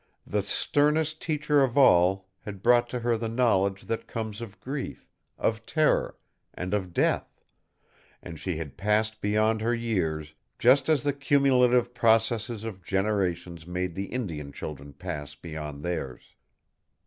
The sternest teacher of all had brought to her the knowledge that comes of grief, of terror, and of death, and she had passed beyond her years, just as the cumulative processes of generations made the Indian children pass beyond theirs.